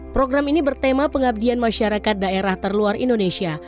program ini bertema pengabdian masyarakat daerah terluar indonesia